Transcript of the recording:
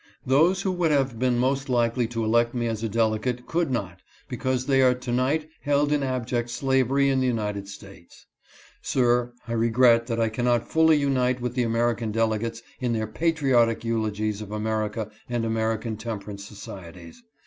Those who would have been most likely to elect me as a delegate could not, because they are to night held in abject slavery in the United States. Sir, I regret that I cannot fully unite with the American delegates in their patriotic eulogies of America and American temperance societies.